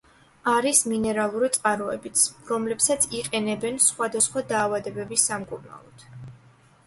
არის მინერალური წყაროებიც, რომლებსაც იყენებენ სხვადასხვა დაავადებების სამკურნალოდ.